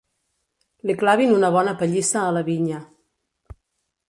Li clavin una bona pallissa a la vinya.